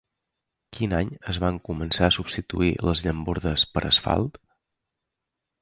Quin any es van començar a substituir les llambordes per asfalt?